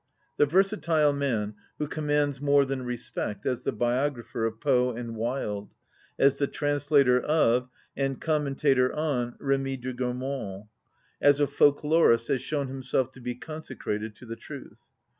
The versatile man who commands more than respect as the biographer of Poe and Wilde ; as the translator of and commentator on Remy de Gour mont; as a folklorist, has shown himself to be consecrated to the truth.